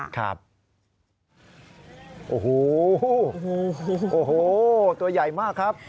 โอ้โหเสียงใหญ่มากครับ